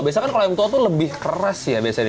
biasanya kan kalau yang tua tuh lebih keras ya biasanya